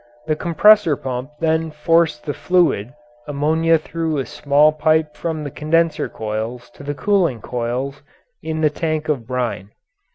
The compressor pump then forced the fluid, ammonia through a small pipe from the condenser coils to the cooling coils in the tank of brine.